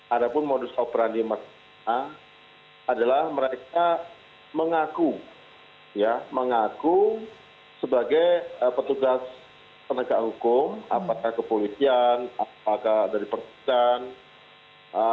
ada pun modus operandi maksimal adalah mereka mengaku ya mengaku sebagai petugas penegak hukum apakah kepolisian apakah dari persidangan